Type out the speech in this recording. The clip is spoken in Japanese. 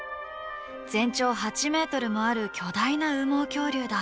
全長８メートルもある巨大な羽毛恐竜だ。